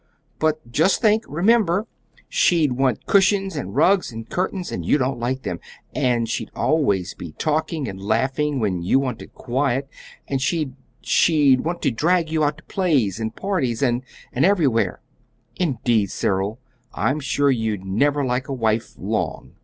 "But just think remember! She'd want cushions and rugs and curtains, and you don't like them; and she'd always be talking and laughing when you wanted quiet; and she she'd want to drag you out to plays and parties and and everywhere. Indeed, Cyril, I'm sure you'd never like a wife long!"